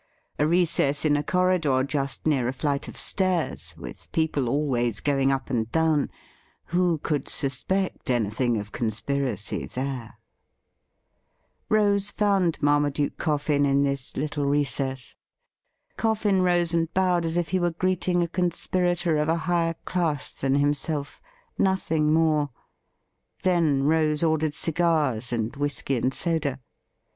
A recess in a corridor just near a flight of stairs, with people always going up and down — who could suspect anything of conspiracy there ? Rose found Marmaduke Coffin in this little recess. Coffin rose and bowed as if he were greeting a conspirator of a higher class than himself — nothing more. Then Rose ordered cigars and whisky and soda.